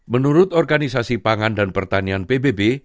menurut organisasi pangan dan pertanian pbb